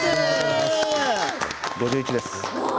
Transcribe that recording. ５１です。